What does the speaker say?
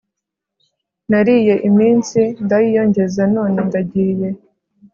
nariye iminsi ndayiyongeza none ndagiye